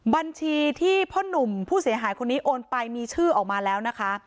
บัญชีที่พ่อหนุ่มผู้เสียหายคนนี้โอนไปมีชื่อออกมาแล้วนะคะ